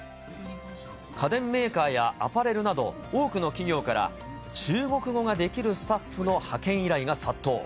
家電メーカーやアパレルなど、多くの企業から、中国語ができるスタッフの派遣依頼が殺到。